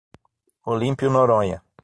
Olímpio Noronha